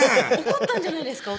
怒ったんじゃないですか？